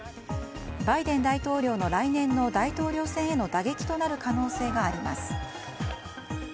バイデン大統領の来年の大統領選への打撃となる可能性があります。